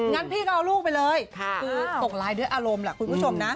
งั้นพี่ก็เอาลูกไปเลยคือส่งไลน์ด้วยอารมณ์แหละคุณผู้ชมนะ